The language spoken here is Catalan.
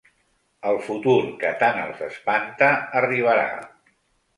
El futur que tant els espanta arribarà.